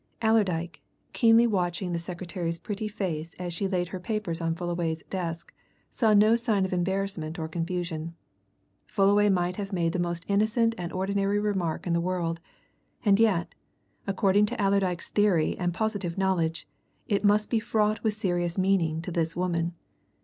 Allerdyke, keenly watching the secretary's pretty face as she laid her papers on Fullaway's desk, saw no sign of embarrassment or confusion; Fullaway might have made the most innocent and ordinary remark in the world, and yet, according to Allerdyke's theory and positive knowledge, it must be fraught with serious meaning to this woman.